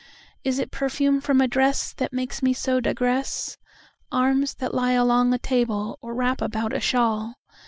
Is it perfume from a dressThat makes me so digress? Arms that lie along a table, or wrap about a shawl.